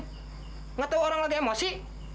tidak tahu orang lagi emosi